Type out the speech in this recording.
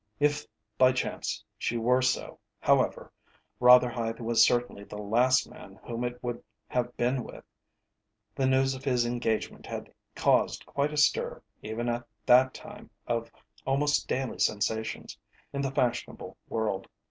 If by chance she were so, however, Rotherhithe was certainly the last man whom it would have been with. The news of his engagement had caused quite a stir, even at that time of almost daily sensations, in the fashionable world.